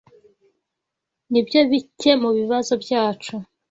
Nibyo bike mubibazo byacu.